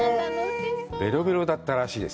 ベロベロだったらしいです。